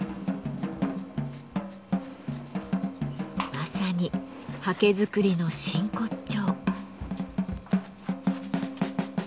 まさに刷毛作りの真骨頂。